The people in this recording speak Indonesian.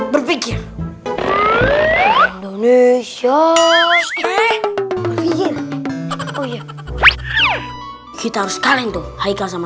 berpikir indonesia kita harus kalian tuh haikal sama